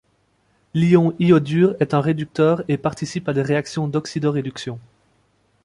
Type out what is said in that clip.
L'ion iodure est un réducteur et participe à des réactions d'oxydo-réduction.